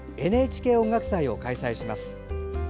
「ＮＨＫ音楽祭」を開催します。